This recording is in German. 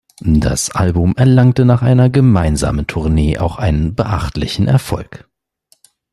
Das Album erlangte nach einer gemeinsamen Tournee auch einen beachtlichen Erfolg.